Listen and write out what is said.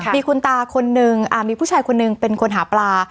มีคุณตาคนนึงมีผู้ชายคนหนึ่งเป็นคนหาปลา